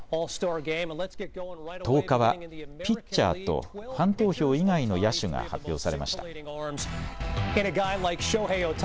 １０日はピッチャーとファン投票以外の野手が発表されました。